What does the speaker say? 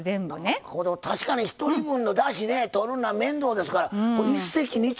確かに１人分のだしねとるのは面倒ですから一石二鳥。